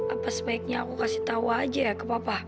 apa sebaiknya aku kasih tau aja ke papa